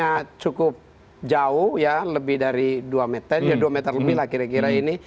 karena cukup jauh ya lebih dari dua meter ya dua meter lebih lah kira kira ini